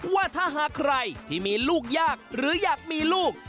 ว่าถ้าหากใครที่มีลูกยากหรืออยากมีลูก